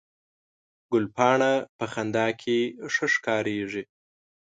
ګلپاڼه په خندا کې ښه ښکارېږي